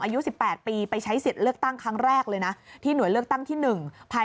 อายุ๑๘ปีไปใช้สิทธิ์เลือกตั้งที่๑ไป